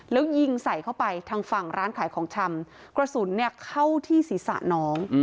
แล้วยิงใส่เข้าไปทางฝั่งร้านขายของชำกระสุนเนี่ยเข้าที่ศีรษะน้อง